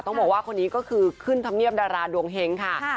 สำเนียบดาราดวงเหงค่ะ